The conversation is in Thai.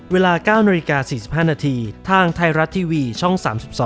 เวลา๙น๔๕นทางไทยรัฐทีวีช่อง๓๒